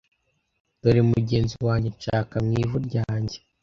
dore mugenzi wanjye nshaka mu ivu ryanjye